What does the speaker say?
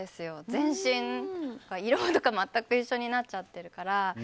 全身、色とか全く一緒になっちゃってるから。